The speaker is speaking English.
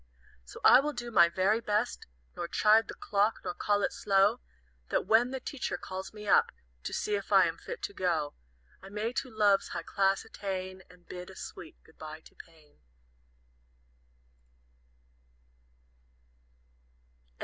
"So I will do my very best, Nor chide the clock, nor call it slow; That when the Teacher calls me up To see if I am fit to go, I may to Love's high class attain, And bid a sweet good by to Pain."